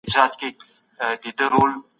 سخت ګوزار دښمن ته په جنګ کي ماتې ورکوي.